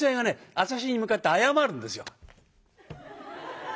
私に向かって謝るんですよ。